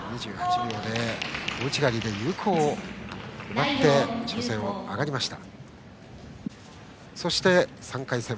小内刈りで有効を奪って初戦を上がりました。